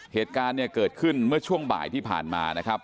เหตุการณ์เนี่ยเกิดขึ้นเมื่อช่วงบ่ายที่ผ่านมานะครับ